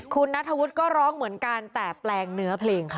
คุณนัทธวุฒิก็ร้องเหมือนกันแต่แปลงเนื้อเพลงค่ะ